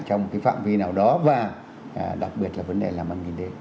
trong cái phạm vi nào đó và đặc biệt là vấn đề làm ăn kinh tế